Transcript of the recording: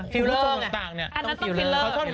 ฟิลเตอร์เนี่ย